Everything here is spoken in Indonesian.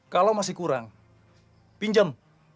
kalau masih kurang pinjam